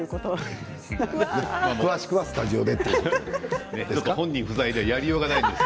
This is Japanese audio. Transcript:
詳しくはスタジオでということですか